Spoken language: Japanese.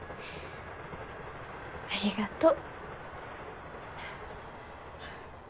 ありがとう。